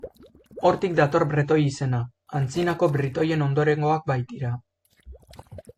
Hortik dator bretoi izena, antzinako britoien ondorengoak baitira.